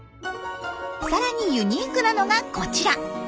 さらにユニークなのがこちら。